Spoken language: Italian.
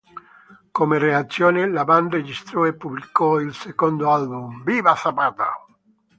Come reazione, la band registrò e pubblicò il secondo album "¡Viva Zapata!